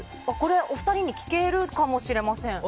お二人に聞けるかもしれません。